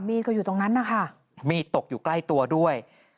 ก็อยู่ตรงนั้นนะคะมีดตกอยู่ใกล้ตัวด้วย